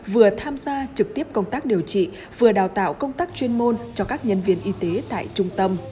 vừa tham gia trực tiếp công tác điều trị vừa đào tạo công tác chuyên môn cho các nhân viên y tế tại trung tâm